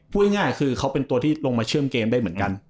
พูดง่ายคือเขาเป็นตัวที่ลงมาเชื่อมเกมได้เหมือนกัน